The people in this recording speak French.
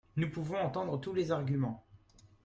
Nous pouvons entendre tous les arguments.